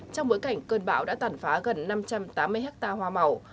trong bối cảnh cơn bão đã tàn phá gần năm trăm tám mươi hectare hoa màu